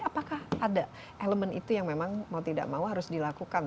apakah ada elemen itu yang memang mau tidak mau harus dilakukan